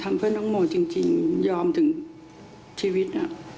เพื่อนน้องโมจริงยอมถึงชีวิต